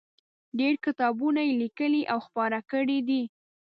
ډېر کتابونه یې لیکلي او خپاره کړي دي.